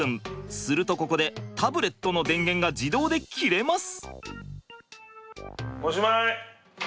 するとここでタブレットの電源が自動で切れます。